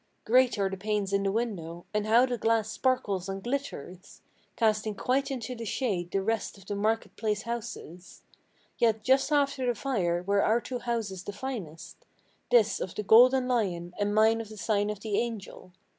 Great are the panes in the windows; and how the glass sparkles and glitters, Casting quite into the shade the rest of the market place houses! Yet just after the fire were our two houses the finest, This of the Golden Lion, and mine of the sign of the Angel.